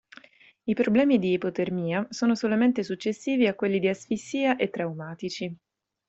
I problemi di ipotermia sono solamente successivi a quelli di asfissia e traumatici.